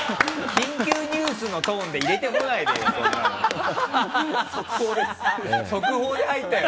緊急ニュースのトーンで入れてこないでよ！